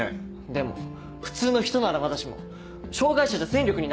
でも普通の人ならまだしも障がい者じゃ戦力にならない。